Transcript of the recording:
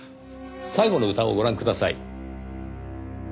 最後の歌をご覧ください。